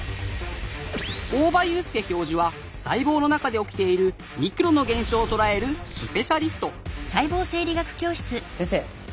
大場雄介教授は細胞の中で起きているミクロの現象を捉えるスペシャリスト先生